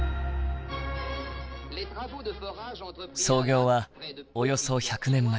創業はおよそ１００年前。